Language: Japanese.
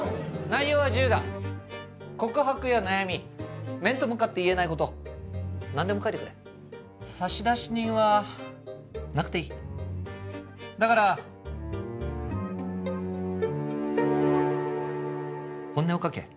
内容は自由だ告白や悩み面と向かって言えないこと何でも書いてくれ差出人はなくていいだから本音を書け